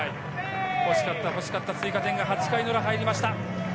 欲しかった欲しかった追加点が８回の裏に入りました。